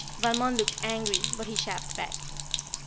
Valmond looked angry, but he chaffed back.